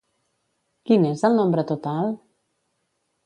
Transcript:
Quin és el nombre total?